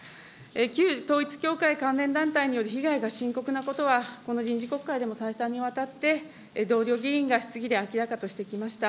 旧統一教会関連団体による被害が深刻なことは、この臨時国会でも再三にわたって、同僚議員が質疑で明らかとしてきました。